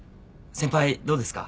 先輩どうですか？